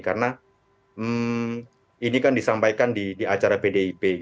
karena ini kan disampaikan di acara pdip